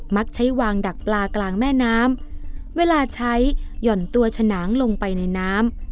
มักใช้วางดักปลากลางแม่น้ำเวลาใช้หย่อนตัวฉนางลงไปในน้ำ